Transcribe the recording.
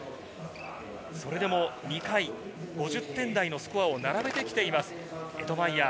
それでも２回、５０点台のスコアを並べてきていますエドマイヤー。